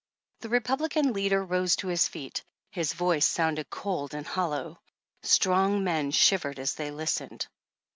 The Republican leader rose to his feet. His voice sounded cold and hollow. Strong men shivered as they listened.